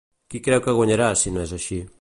Qui creu que guanyarà si no és així?